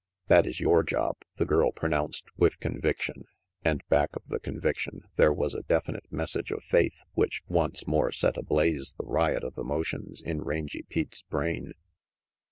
" "That is your job," the girl pronounced with conviction; and back of the conviction there was a definite message of faith which once more set ablaze the riot of emotions in Rangy Pete's brain.